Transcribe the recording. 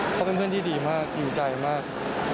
เขาเป็นเพื่อนที่ดีมากจริงใจมาก